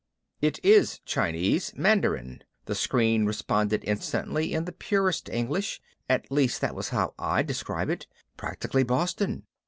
"It is Chinese. Mandarin," the screen responded instantly in the purest English at least that was how I'd describe it. Practically Boston.